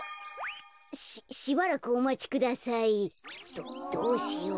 どどうしよう？